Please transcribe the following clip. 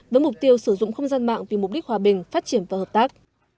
với mục tiêu sử dụng không gian mạng vì mục đích hòa bình phát triển và hợp tác